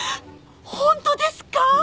本当ですか？